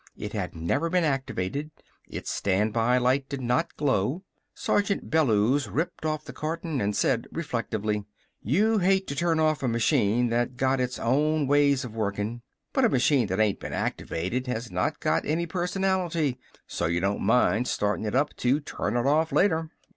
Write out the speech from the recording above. It had never been activated. Its standby light did not glow. Sergeant Bellews ripped off the carton and said reflectively: "You hate to turn off a machine that's got its own ways of working. But a machine that ain't been activated has not got any personality. So you don't mind starting it up to turn it off later."